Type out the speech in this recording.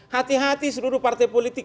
hati hati seluruh partai politik